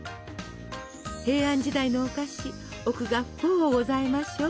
平安時代のお菓子奥が深うございましょう？